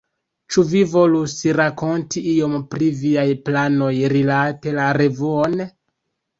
Ĉu vi volus rakonti iom pri viaj planoj rilate la revuon?